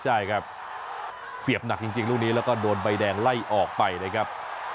ใช่ครับเสียบหนักจริงลูกนี้แล้วก็โดนใบแดงไล่ออกไปนะครับ